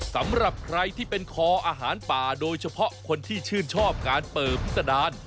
สำหรับใครที่เป็นคออาหารป่าโดยเฉพาะคนที่ชื่นชอบการเปิดพิษดาร